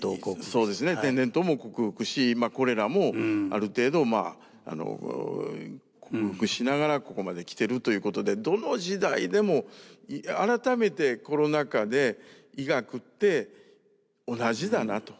そうですね天然痘も克服しコレラもある程度克服しながらここまで来てるということでどの時代でも改めてコロナ禍で医学って同じだなと。